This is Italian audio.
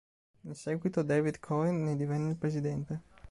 In seguito David Cohen ne divenne il presidente.